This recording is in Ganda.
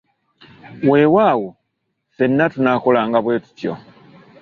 Weewaawo, ffenna tunaakolanga bwetutyo!